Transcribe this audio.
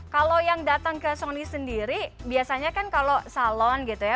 kalau yang datang ke sony sendiri biasanya kan kalau salon gitu ya